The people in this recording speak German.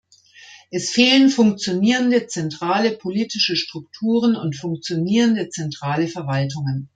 Es fehlen funktionierende zentrale politische Strukturen und funktionierende zentrale Verwaltungen.